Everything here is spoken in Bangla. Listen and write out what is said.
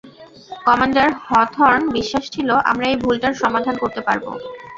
কমান্ডার হথর্ন বিশ্বাস ছিলো আমরা এই ভুলটার সমাধান করতে পারবো।